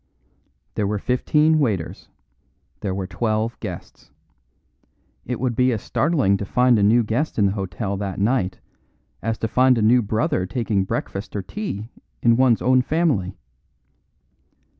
There were fifteen waiters. There were twelve guests. It would be as startling to find a new guest in the hotel that night as to find a new brother taking breakfast or tea in one's own family.